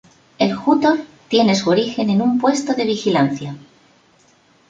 El "jútor" tiene su origen en un puesto de vigilancia.